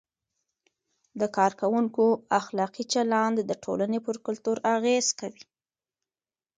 د کارکوونکو اخلاقي چلند د ټولنې پر کلتور اغیز کوي.